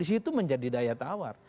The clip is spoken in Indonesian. di situ menjadi daya tawar